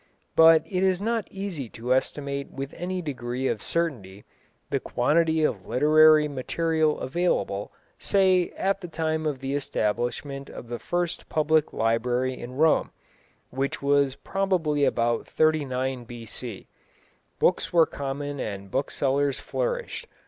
But it is not easy to estimate with any degree of certainty the quantity of literary material available, say, at the time of the establishment of the first public library in Rome, which was probably about 39 B.C. Books were common and booksellers flourished.